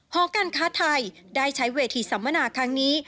หอการค้าไทยได้ใช้เวทีสัมมนาครั้งนี้